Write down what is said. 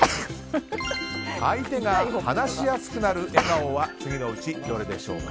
相手が話しやすくなる笑顔は次のうちどれでしょうか？